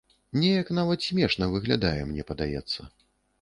Неяк нават смешна выглядае, мне падаецца.